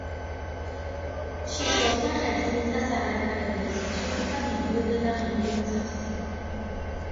შიშველ ფეხებს მიწას არ აკარებდა, ისე მსუბუქად მოდიოდა და ღიმილით სავსე იყო.